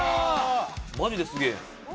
マジですげえ。